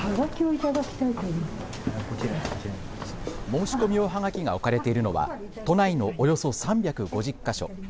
申し込み用はがきが置かれているのは都内のおよそ３５０か所。